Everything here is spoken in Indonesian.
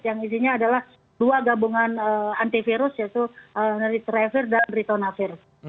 yang isinya adalah dua gabungan antivirus yaitu neritravir dan ritonavir